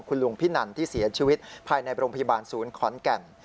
คุณลุงพินันที่เสียชีวิตภายในโรงพยาบาลศูนย์ขอนแก่น